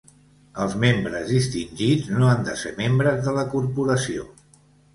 Els membres distingits no han de ser membres de la corporació.